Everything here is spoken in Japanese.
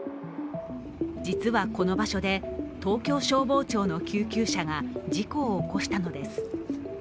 実はこの場所で、東京消防庁の救急車が事故を起こしたのです。